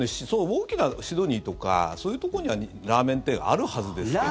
大きな、シドニーとかそういうとこにはラーメン店あるはずですけど。